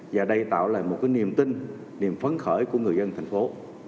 và đây tạo lại một cái niềm tin niềm phấn khởi của người dân thành phố